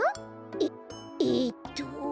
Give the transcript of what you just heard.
えっえっと。